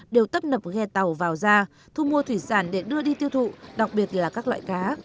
đều tấp nập ghe tàu vào ra thu mua thủy sản để đưa đi tiêu thụ đặc biệt là các loại cá